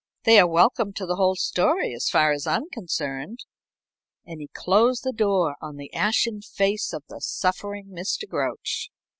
They are welcome to the whole story as far as I am concerned." And he closed the door on the ashen face of the suffering Mr. Grouch.